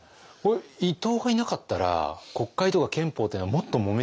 伊藤がいなかったら国会とか憲法っていうのはもっともめてたかもしれない。